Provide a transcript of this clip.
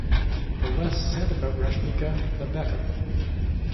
The less said about Rashmika the better.